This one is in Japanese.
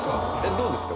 どうですか？